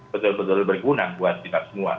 betul betul berguna buat kita semua